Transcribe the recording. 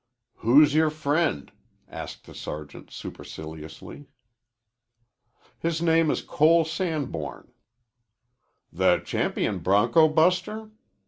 "Who's your friend?" asked the sergeant superciliously. "His name is Cole Sanborn." "The champion bronco buster?"